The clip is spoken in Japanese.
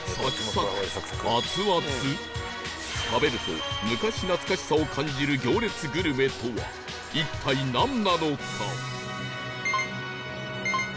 食べると昔懐かしさを感じる行列グルメとは一体なんなのか？